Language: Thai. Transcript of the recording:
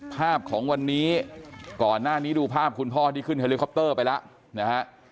ภาพของวันนี้ก่อนหน้านี้ดูภาพคุณพ่อที่ขึ้นเฮลิคอปเตอร์ไปแล้วนะฮะ